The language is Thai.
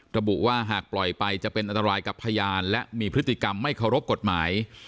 ระบุว่าหากปล่อยไปจะเป็นอันตรายกับพยานและมีพฤติกรรมไม่เคารพกฎหมาย